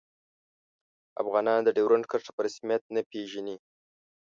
افغانان د ډیورنډ کرښه په رسمیت نه پيژني